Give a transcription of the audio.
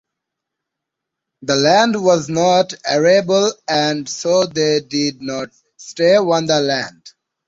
The land was not arable and so they did not stay on the land.